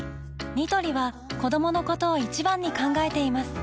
ニトリは子どものことを一番に考えています